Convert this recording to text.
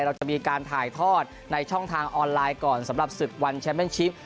เราจะมีการถ่ายทอดในช่องทางออนไลน์ก่อนสำหรับศึกวันแชมเป็นชิป